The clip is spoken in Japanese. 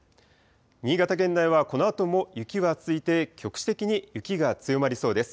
新潟県内はこのあとも雪は続いて局地的に雪が強まりそうです。